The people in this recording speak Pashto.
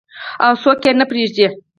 او څوک نه پریږدي.